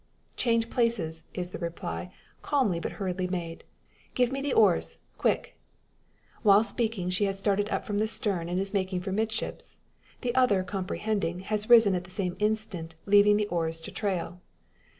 "Change places," is the reply, calmly but hurriedly made. "Give me the oars! Quick!" While speaking she has started up from the stern, and is making for 'midships. The other, comprehending, has risen at the same instant, leaving the oars to trail.